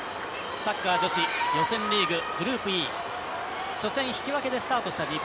サッカー女子予選リーググループＥ、初戦引き分けでスタートしました。